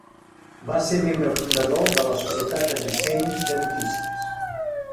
Va ser membre fundador de la Societat de Disseny de Notícies.